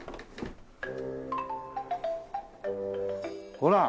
ほら！